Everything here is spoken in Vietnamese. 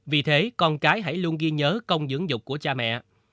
vì thế con cái hãy luôn ghi nhớ công dưỡng dục của cha mẹ